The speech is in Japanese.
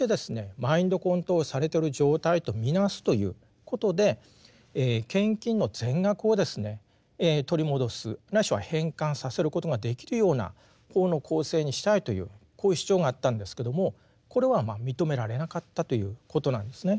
マインドコントロールされてる状態と見なすということで献金の全額をですね取り戻すないしは返還させることができるような法の構成にしたいというこういう主張があったんですけどもこれはまあ認められなかったということなんですね。